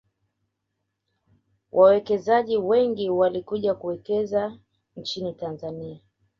wawekezaji wengi walikuja kuwekeza nchin tanzania